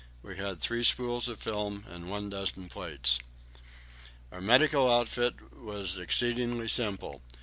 We had three spools of film, and one dozen plates. Our medical outfit was exceedingly simple.